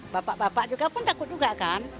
bapak bapak juga pun takut juga kan